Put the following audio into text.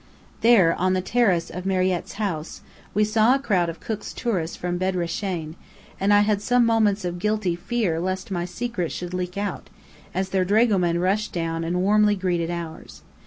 There, on the terrace of Marriette's House, we saw a crowd of Cook's tourists from Bedrachen, and I had some moments of guilty fear lest my Secret should leak out, as their dragoman rushed down and warmly greeted ours.